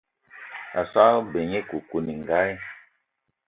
A so gne g-beu nye koukouningali.